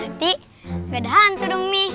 nanti bedahan tuh dong mi